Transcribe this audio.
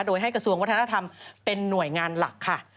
โดยให้กระทรวงวัฒนธรรมเป็นหน่วยงานหลักค่ะ